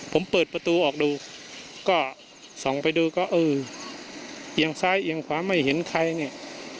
ผมเปิดประตูออกดูก็ส่องไปดูก็เออเอียงซ้ายเอียงขวาไม่เห็นใครเนี่ย